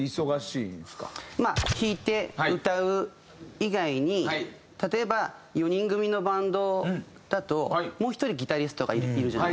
まあ弾いて歌う以外に例えば４人組のバンドだともう１人ギタリストがいるじゃないですか。